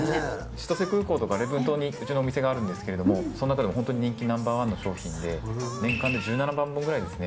千歳空港とか礼文島にうちのお店があるんですけどもそのなかでもホントに人気ナンバー１の商品で年間で１７万本くらいですね